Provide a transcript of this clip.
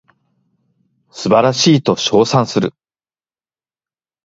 素晴らしいと称賛する